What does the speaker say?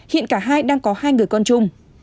hiện cả hai đang có hai người con chung